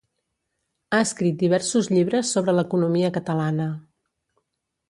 Ha escrit diversos llibres sobre l’economia catalana.